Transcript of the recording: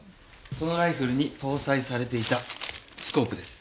そのライフルに搭載されていたスコープです。